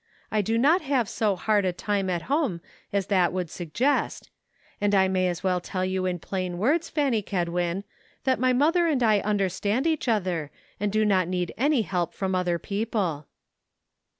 I do not have so hard a 14 DISAPPOINTMENT. time at home as that would suggest; and I may as well tell you in plain words, Fanny Kedwin, that my mother and I understand each other, and do not need any help from other people."